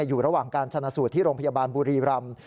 อยู่ระหว่างการชนะสูตรที่โรงพยาบาลบุรีรำ